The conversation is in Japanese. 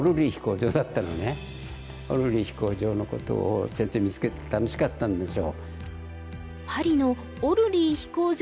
オルリー飛行場のことを先生見つけて楽しかったんでしょう。